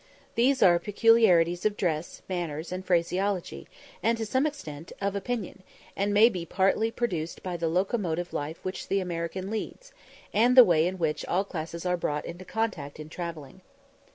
These are peculiarities of dress, manners, and phraseology, and, to some extent, of opinion, and may be partly produced by the locomotive life which the American leads, and the way in which all classes are brought into contact in travelling.